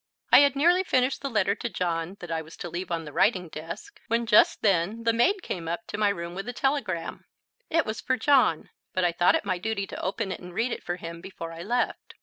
I had nearly finished the letter to John that I was to leave on the writing desk, when just then the maid came up to my room with a telegram. It was for John, but I thought it my duty to open it and read it for him before I left.